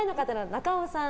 中尾さん